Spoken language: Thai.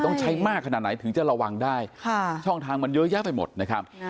ต้องใช้มากขนาดไหนถึงจะระวังได้ช่องทางมันเยอะแยะไปหมดนะครับ